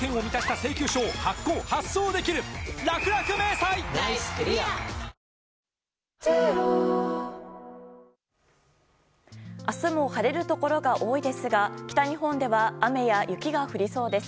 サントリー「ＶＡＲＯＮ」明日も晴れるところが多いですが北日本では雨や雪が降りそうです。